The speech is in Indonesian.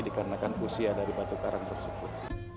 dikarenakan usia dari batu karang tersebut